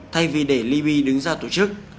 thay vì để libreville đứng ra tổ chức